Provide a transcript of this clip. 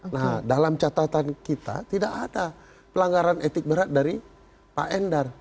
nah dalam catatan kita tidak ada pelanggaran etik berat dari pak endar